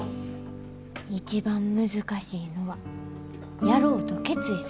「一番難しいのはやろうと決意すること。